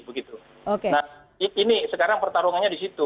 nah ini sekarang pertarungannya di situ